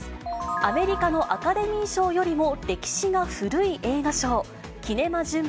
アメリカのアカデミー賞よりも歴史が古い映画賞、キネマ旬報